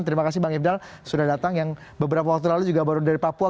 terima kasih bang ifdal sudah datang yang beberapa waktu lalu juga baru dari papua